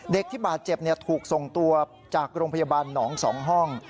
เด็กที่บาดเจ็บถูกส่งตัวจากโรงพยาบาลหนอง๒ห้อง